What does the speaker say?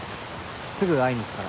すぐ会いに行くから。